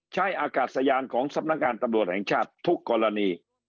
ใช้อากาศยานของสำนักงานตำรวจแห่งชาติทุกกรณี